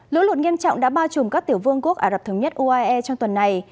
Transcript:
lũ lụt nghiêm trọng đã bao trùm các tiểu vương quốc ả rập thống nhất uae trong tuần này